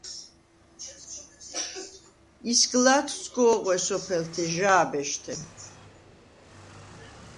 ისგლა̄თვ სგო̄ღვე სოფელთე, ჟა̄ბეშთე.